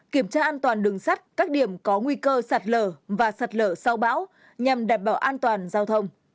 kiểm tra an toàn đường sắt các điểm có nguy cơ sạt lở và sạt lở sau bão nhằm đảm bảo an toàn giao thông